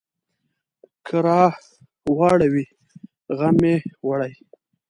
که راواړوي، غم مې وړي.